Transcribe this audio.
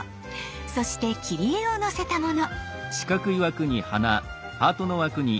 そして切り絵をのせたもの。